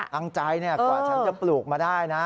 ตั้งใจกว่าฉันจะปลูกมาได้นะ